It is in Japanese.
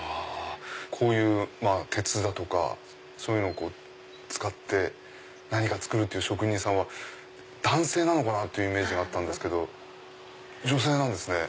こういう鉄だとかそういうのを使って何か作るっていう職人さんは男性ってイメージがあったけど女性なんですね。